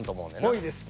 ぽいです。